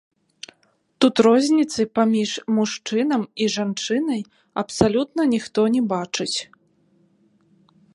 Тут розніцы паміж мужчынам і жанчынай абсалютна ніхто не бачыць.